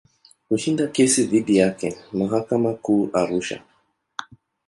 Kushinda kesi dhidi yake mahakama Kuu Arusha.